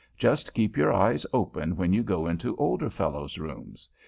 Just keep your eyes open when you go into older fellows' rooms.